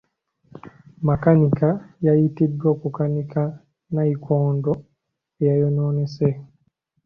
Makanika yayitibwa okukanika nnayikondo eyayonoonese.